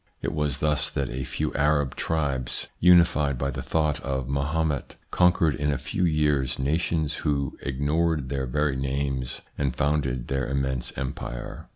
It was thus that a few Arab tribes, unified by the thought of Mahomet, conquered in a few years nations who ignored their very names, and founded their immense empire.